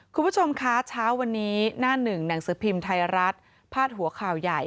คุณผู้ชมคะเช้าวันนี้หน้าหนึ่งหนังสือพิมพ์ไทยรัฐพาดหัวข่าวใหญ่